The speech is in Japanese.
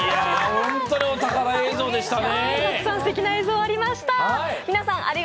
本当にお宝映像でしたね。